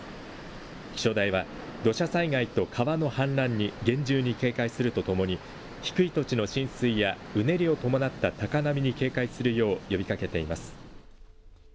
気象台は土砂災害と川の氾濫に厳重に警戒するとともに低い土地の浸水やうねりを伴った高波に警戒するよう呼びかけています。